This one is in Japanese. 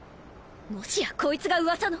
もしやこいつがウワサの？